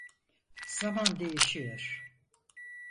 Zaman değişiyor.